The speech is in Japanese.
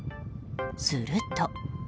すると。